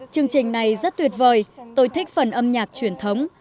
chương trình này rất tuyệt vời tôi thích phần âm nhạc truyền thống